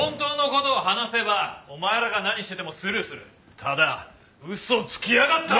ただ嘘つきやがったら。